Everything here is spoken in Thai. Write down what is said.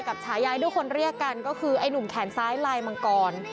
ฉายายทุกคนเรียกกันก็คือไอ้หนุ่มแขนซ้ายลายมังกร